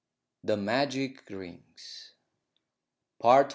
THE MAGIC RINGS PART I.